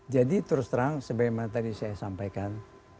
jadi terus terang sebagaimana tadi saya sampaikan